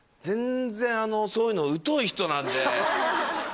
全然そういうの疎い人なんで。